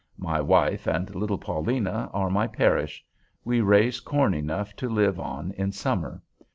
My wife and little Paulina are my parish. We raise corn enough to live on in summer.